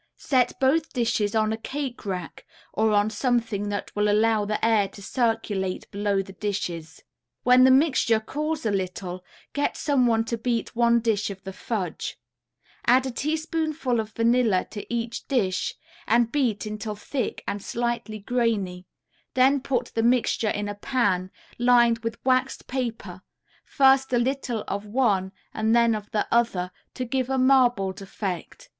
Set both dishes on a cake rack, or on something that will allow the air to circulate below the dishes. When the mixture cools a little, get some one to beat one dish of the fudge; add a teaspoonful of vanilla to each dish, and beat until thick and slightly grainy, then put the mixture in a pan, lined with waxed paper, first a little of one and then of the other, to give a marbled effect.